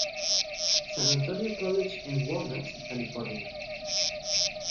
San Antonio College en Walnut, California.